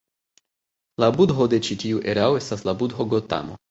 La budho de ĉi tiu erao estas la budho Gotamo.